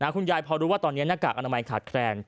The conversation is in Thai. คุณยายพอรู้ว่าตอนนี้หน้ากากอนามัยขาดแคลน